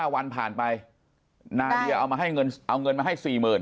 ๕วันผ่านไปนาดียาเอาเงินมาให้๔๐๐๐๐